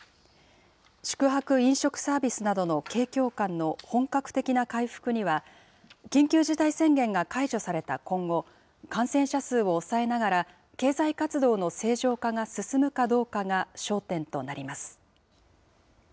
宿泊・飲食サービスなどの景況感の本格的な回復には、緊急事態宣言が解除された今後、感染者数を抑えながら、経済活動の正常化が進むかどうかが焦点となります。